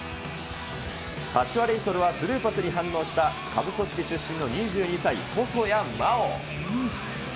柏レイソルはスルーパスに反応した、下部組織出身の２２歳、細谷まお。